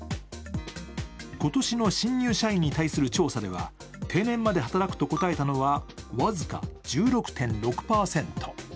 今年の新入社員に対する調査では定年まで働くと答えた人は、僅か１６．６％。